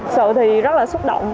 sự thì rất là xúc động